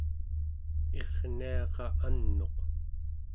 irniara an'uq